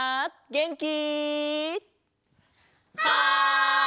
げんき！